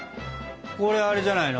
これあれじゃないの？